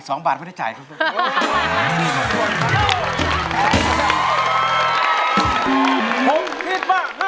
ต้องรับทั้งสามคนนะ